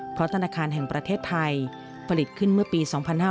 เพราะธนาคารแห่งประเทศไทยผลิตขึ้นเมื่อปี๒๕๕๙